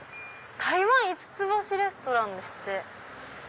台湾５つ星レストランですって。